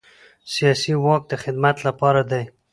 سیاسي واک د خدمت لپاره دی